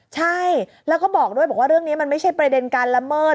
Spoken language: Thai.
ใช่แล้วก็บอกด้วยบอกว่าเรื่องนี้มันไม่ใช่ประเด็นการละเมิด